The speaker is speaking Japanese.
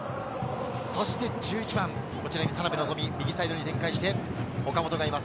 １１番・田邉望、右サイドに展開して岡本がいます。